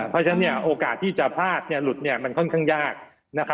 เพราะฉะนั้นโอกาสที่จะพลาดหลุดมันค่อนข้างยาก